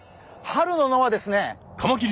春の野はですね